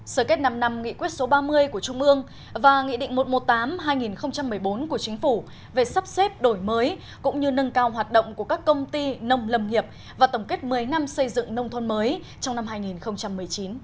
sở kết năm năm nghị quyết số ba mươi của trung ương và nghị định một trăm một mươi tám hai nghìn một mươi bốn của chính phủ về sắp xếp đổi mới cũng như nâng cao hoạt động của các công ty nông lâm nghiệp và tổng kết một mươi năm xây dựng nông thôn mới trong năm hai nghìn một mươi chín